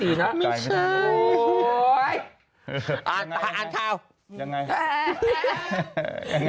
ไม่ใช่โอ้โฮอ่านข้าวยังไงยังไงยังไงยังไง